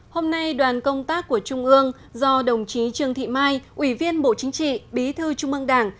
hôm nay đoàn công tác của trung ương do đồng chí trương thị mai ủy viên bộ chính trị bí thư trung ương đảng